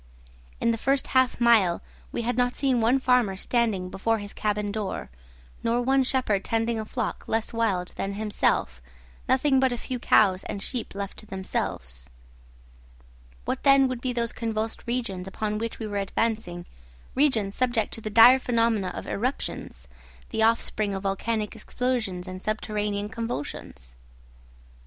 In the first half mile we had not seen one farmer standing before his cabin door, nor one shepherd tending a flock less wild than himself, nothing but a few cows and sheep left to themselves. What then would be those convulsed regions upon which we were advancing, regions subject to the dire phenomena of eruptions, the offspring of volcanic explosions and subterranean convulsions?